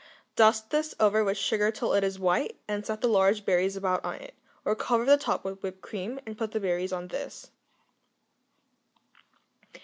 Dust this over with sugar till it is white, and set the large berries about on it, or cover the top with whipped cream and put the berries on this.